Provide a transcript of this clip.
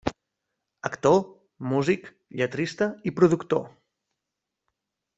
Actor, músic, lletrista i productor.